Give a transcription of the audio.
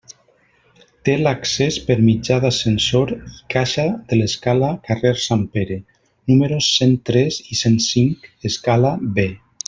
Té l'accés per mitjà d'ascensor i caixa de l'escala carrer Sant Pere, números cent tres i cent cinc –escala B–.